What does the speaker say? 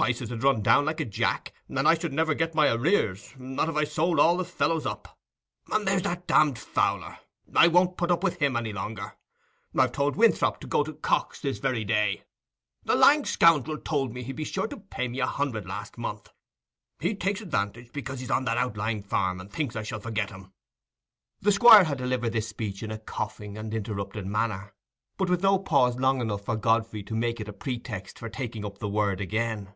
Prices 'ud run down like a jack, and I should never get my arrears, not if I sold all the fellows up. And there's that damned Fowler, I won't put up with him any longer; I've told Winthrop to go to Cox this very day. The lying scoundrel told me he'd be sure to pay me a hundred last month. He takes advantage because he's on that outlying farm, and thinks I shall forget him." The Squire had delivered this speech in a coughing and interrupted manner, but with no pause long enough for Godfrey to make it a pretext for taking up the word again.